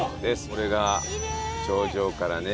これが頂上からね